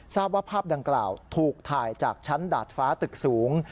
ทราบว่าภาพดังกล่าวถูกถ่ายจากชั้นดาดฟ้าตึกสูง